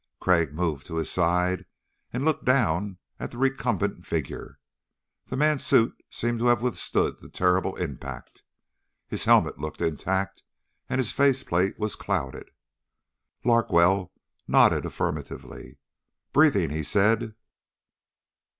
Crag moved to his side and looked down at the recumbent figure. The man's suit seemed to have withstood the terrible impact. His helmet looked intact, and his faceplate was clouded. Prochaska nodded affirmatively. "Breathing," he said.